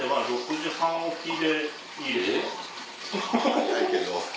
早いけど。